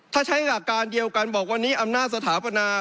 ถ้าใช้การทราบการเดียวกันบอกว่านี้อำนาจสถาปันธ์